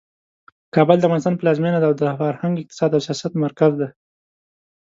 کابل د افغانستان پلازمینه ده او د فرهنګ، اقتصاد او سیاست مرکز دی.